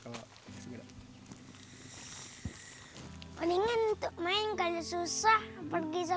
mendingan untuk main kalau susah pergi sepeda